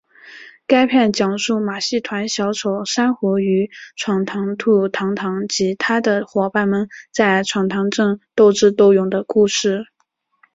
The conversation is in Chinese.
该片讲述马戏团小丑珊瑚与闯堂兔堂堂及他的伙伴们在闯堂镇斗智斗勇的故事。